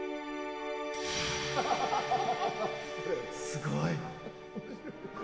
すごい。